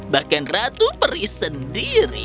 bahkan ratu peri sendiri